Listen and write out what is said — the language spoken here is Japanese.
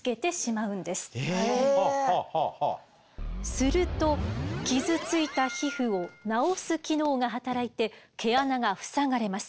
すると傷ついた皮膚を治す機能が働いて毛穴が塞がれます。